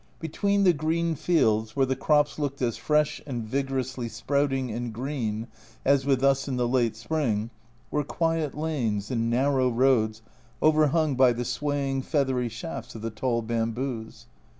Between the green fields, where the crops looked as fresh and vigorously sprouting and green as with us in the late spring, were quiet lanes and narrow roads over hung by the swaying feathery shafts of the tall bamboos.